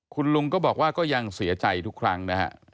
คุณลุงก็บอกว่าก็ยังเสียใจทุกครั้งนะฮะ